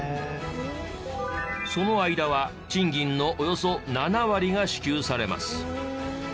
その間は賃金のおよそ７割が支給されます。